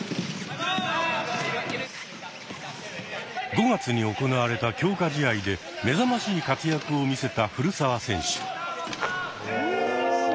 ５月に行われた強化試合で目覚ましい活躍を見せた古澤選手。